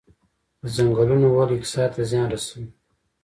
د ځنګلونو وهل اقتصاد ته زیان رسوي؟